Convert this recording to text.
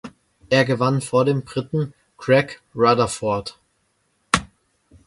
Er gewann vor dem Briten Greg Rutherford.